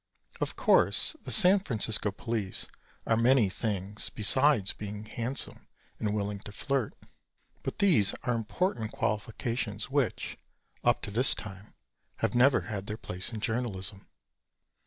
Of course, the San Francisco police are many things beside being handsome and willing to flirt. But these are important qualifications which, up to this time, have never had their place in journalism.